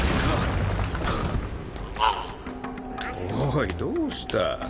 おいどうした？